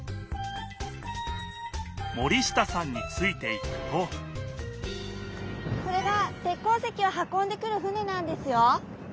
森下さんについていくとこれが鉄鉱石を運んでくる船なんですよ。